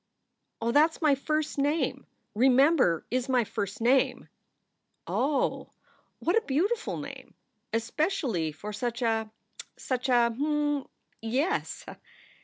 "Oh, that s my first name! Remember is my first name." "Oh! What a beautiful name! Especially for such a such a Mmm, yes."